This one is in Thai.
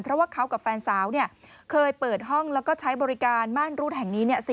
เพราะว่าเขากับแฟนสาวเคยเปิดห้องแล้วก็ใช้บริการม่านรูดแห่งนี้